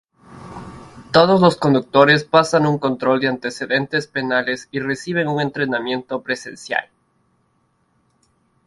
Todos los conductores pasan un control de antecedentes penales y reciben un entrenamiento presencial.